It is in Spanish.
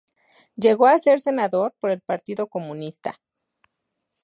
Llegó a ser senador por el Partido Comunista.